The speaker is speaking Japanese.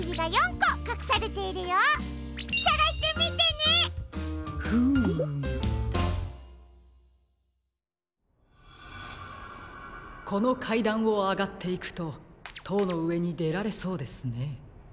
このかいだんをあがっていくととうのうえにでられそうですね。